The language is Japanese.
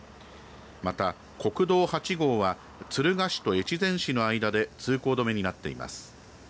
また、国道８号は敦賀市と越前市の間で通行止めになっています。